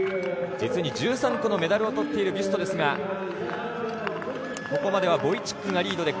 実に１３個のメダルをとっているビュストですがここまではボイチックがリード。